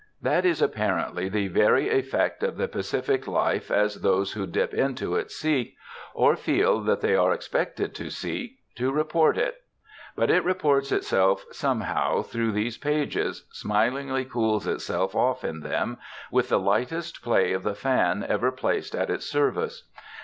That is apparently the very effect of the Pacific life as those who dip into it seek, or feel that they are expected to seek, to report it; but it reports itself somehow through these pages, smilingly cools itself off in them, with the lightest play of the fan ever placed at its service.